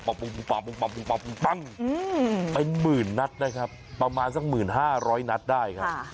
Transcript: เป็นหมื่นนัดนะครับประมาณสักหมื่นห้าร้อยนัดได้ครับ